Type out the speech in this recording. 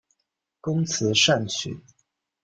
工词善曲。